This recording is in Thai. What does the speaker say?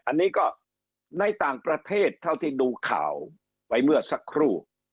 อันนี้ก็ในต่างประเทศเท่าที่ดูข่าวไปเมื่อสักครู่